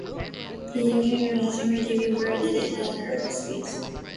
His Jacobitism had already been betrayed in a tripos speech.